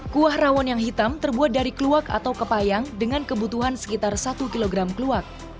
kuah rawon yang hitam terbuat dari kluwak atau kepayang dengan kebutuhan sekitar satu kg keluak